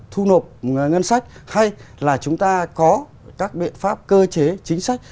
thu nộp ngân sách hay là chúng ta có các biện pháp cơ chế chính sách